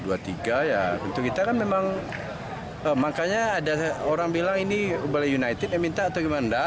ya untuk kita kan memang makanya ada orang bilang ini bali united yang minta atau gimana